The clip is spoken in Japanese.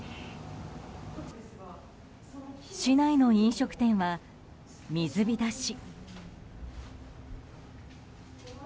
市内の飲食店は水浸し。